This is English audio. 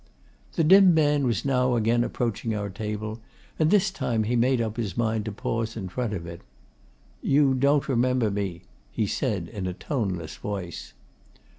The dim man was now again approaching our table, and this time he made up his mind to pause in front of it. 'You don't remember me,' he said in a toneless voice.